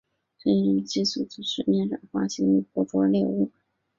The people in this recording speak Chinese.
水黾以极快的速度在水面上滑行以捕捉猎物。